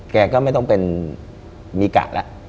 แกก็ไม่ต้องเป็นมีกะแล้ว